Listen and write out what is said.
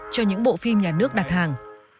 cho những bộ phim nhà nước đặt hàng